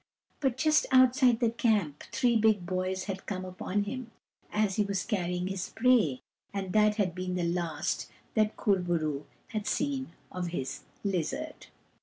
But just outside the camp three big boys had come upon him as he was carrying his prey, and that had been the last that Kur bo roo had seen of his lizard.